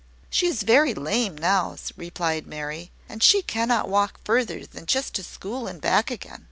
"She is very lame now," replied Mary, "and she cannot walk further than just to school and back again."